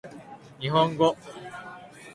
日本語